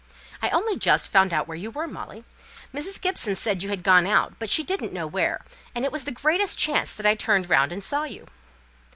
"I only just found out where you were, Molly. Mrs. Gibson said you had gone out, but she didn't know where; and it was the greatest chance that I turned round and saw you."